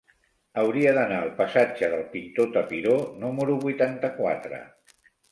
Hauria d'anar al passatge del Pintor Tapiró número vuitanta-quatre.